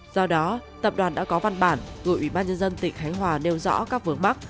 do đó tập đoàn đã có văn bản gửi ubnd tỉnh khánh hòa nêu rõ các vướng mắt